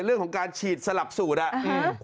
เรื่องของการฉีดสลับสูตรอ่ะอืม